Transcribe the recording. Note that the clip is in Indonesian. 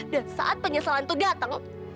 dan saat penyesalan itu dateng